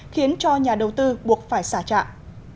khiến cho nhà đầu tư buộc phải xả trạng